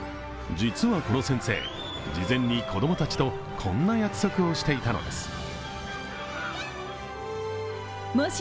実はこの先生、事前に子供たちとこんな約束をしていたのです。